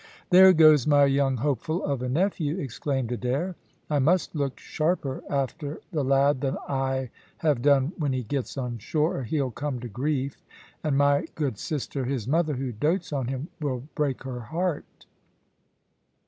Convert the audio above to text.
"There goes my young hopeful of a nephew," exclaimed Adair. "I must look sharper after the lad than I have done when he gets on shore, or he'll come to grief, and my good sister, his mother, who doats on him, will break her heart."